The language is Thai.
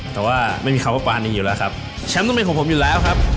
แต่ว่าไม่มีเขาพวกว่านี้อยู่แล้วครับ